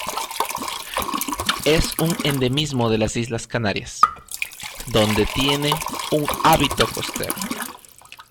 Es un endemismo de las Islas Canarias, donde tiene un hábito costero.